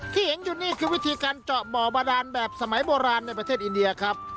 ที่เห็นอยู่นี่คือวิธีการเจาะบ่อบาดานแบบสมัยโบราณในประเทศอินเดียครับ